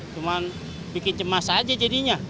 cuman bikin cemas saja jadinya